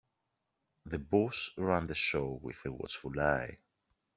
The boss ran the show with a watchful eye.